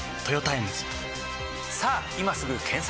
さぁ今すぐ検索！